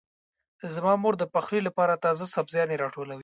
زما مور د پخلي لپاره تازه سبزيانې راټولوي.